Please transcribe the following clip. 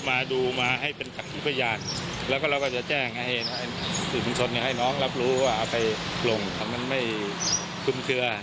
ว่าเอาไปปล่อยฝนทำแบบที่คุ้นเชื้อ